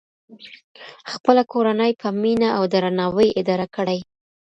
خپله کورنۍ په مینه او درناوي اداره کړئ.